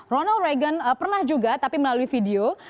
ronald reagan pernah juga tapi melalui video